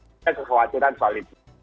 kita sesuatu aturan soal itu